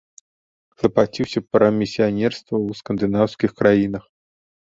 Клапаціўся пра місіянерства ў скандынаўскіх краінах.